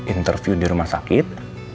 interview di rumah sakit